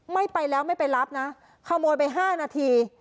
ไม่ไปแล้วไม่ไปรับนะขโมยไป๕นาที